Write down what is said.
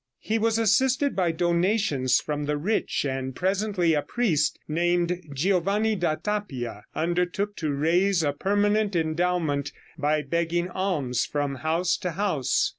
He was assisted by donations from the rich, and presently a priest named Giovanni da Tappia undertook to raise a permanent endowment by begging alms from house to house.